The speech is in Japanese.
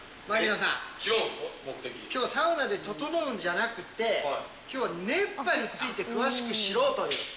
きょうはサウナでととのうんじゃなくて、きょうは熱波について詳しく知ろうという。